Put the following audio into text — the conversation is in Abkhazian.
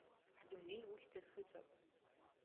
Ҳдунеи ухьӡ ахыҵәап.